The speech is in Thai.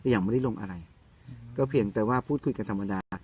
ยังไม่ได้ลงอะไรก็เพียงแต่ว่าพูดคุยกันธรรมดา